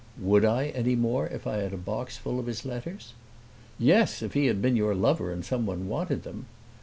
"Would I, any more, if I had a box full of his letters?" "Yes, if he had been your lover and someone wanted them!"